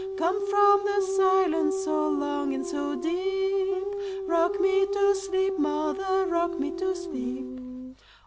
Come from the silence so long and so deep;—Rock me to sleep, mother,—rock me to sleep!